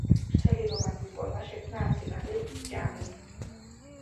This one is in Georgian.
ვრცელი რომანული პოემა შექმნა ამ თემაზე ჯამიმ.